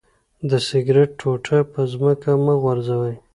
د سګرټ ټوټه په ځمکه مه غورځوئ.